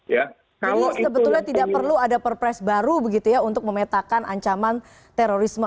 jadi sebetulnya tidak perlu ada perpres baru untuk memetakan ancaman terorisme